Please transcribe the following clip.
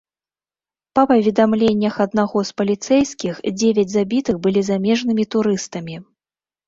Па паведамленнях аднаго з паліцэйскіх, дзевяць забітых былі замежнымі турыстамі.